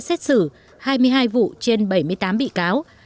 xét xử hai mươi hai vụ trên bảy mươi tám bị cáo